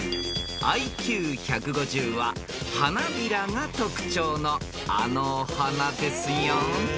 ［ＩＱ１５０は花びらが特徴のあのお花ですよ］